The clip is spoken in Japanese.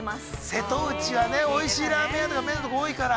◆瀬戸内は、おいしいラーメン屋とか麺のところ多いから。